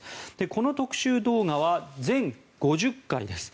この特集動画は全５０回です。